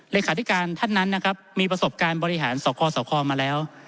ระภารการท่านนั้นมีประสบการณ์บริหารรซคอล์จะมาแล้ว